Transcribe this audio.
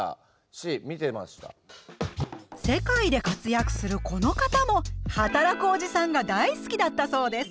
世界で活躍するこの方も「はたらくおじさん」が大好きだったそうです。